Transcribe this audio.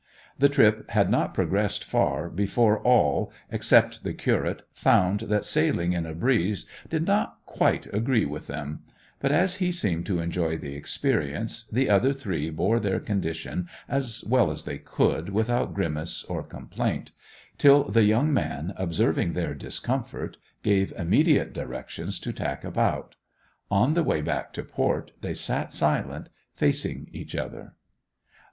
The trip had not progressed far before all, except the curate, found that sailing in a breeze did not quite agree with them; but as he seemed to enjoy the experience, the other three bore their condition as well as they could without grimace or complaint, till the young man, observing their discomfort, gave immediate directions to tack about. On the way back to port they sat silent, facing each other.